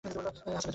হাসালে, সবজান্তা।